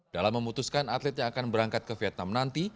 dalam memutuskan atlet yang akan berangkat ke vietnam nanti